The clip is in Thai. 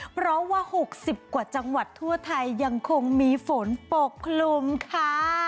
เพราะว่า๖๐กว่าจังหวัดทั่วไทยยังคงมีฝนปกคลุมค่ะ